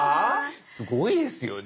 すごいですよね。